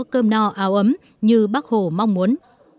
cơm no ảo ấm như bác hồ mong muốn